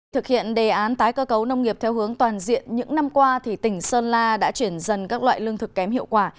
thực hiện đề án tái cơ cấu nông nghiệp theo hướng toàn diện những năm qua tỉnh sơn la đã chuyển dần các loại lương thực kém hiệu quả